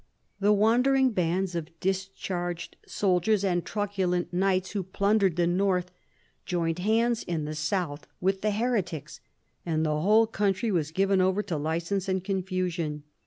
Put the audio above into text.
The wandering bands of discharged soldiers and trucu lent knights who plundered the north, joined hands in the south with the heretics, and the whole country was given over to licence and confusion.